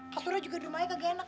kasurnya juga di rumahnya gak enak